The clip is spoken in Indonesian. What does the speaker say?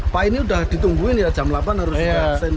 pak ini sudah ditungguin ya jam delapan harus stand